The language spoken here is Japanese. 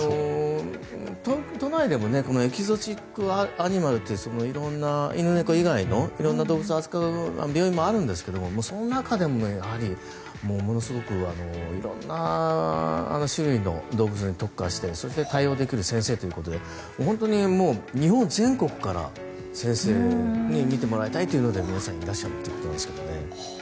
都内でもエキゾチックアニマルという色んな犬、猫以外の色んな動物を扱う病院もあるんですけどその中でもものすごく色んな種類の動物に特化して、そして対応できる先生ということで本当に日本全国から先生に診てもらいたいというので皆さんいらっしゃってると思いますけどね。